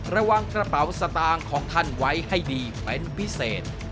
ระวังกระเป๋าสตางค์ของท่านไว้ให้ดีเป็นพิเศษ